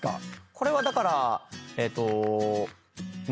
これはだからえーっと。